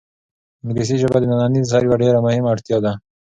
انګلیسي ژبه د ننني عصر یوه ډېره مهمه اړتیا ده.